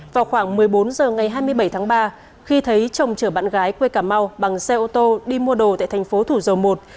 vào khoảng một mươi bốn h ngày hai mươi bảy tháng ba khi thấy chồng chở bạn gái quê cà mau bằng xe ô tô đi mua đồ tại thành phố thủ dầu một